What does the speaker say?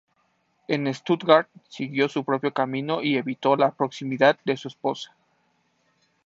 En Stuttgart siguió su propio camino y evitó la proximidad de su esposa.